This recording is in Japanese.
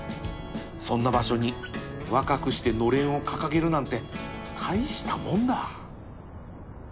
そんな場所に若くしてのれんを掲げるなんて大したもんだ